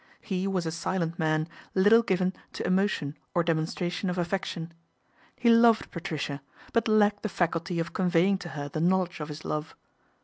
He was a silent man, little given to emotion or demonstration of affec tion. He loved Patricia, but lacked the faculty of conveying to her the knowledge of his love.